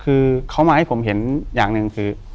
คือเขามาให้ผมเห็นอย่างหนึ่งคือ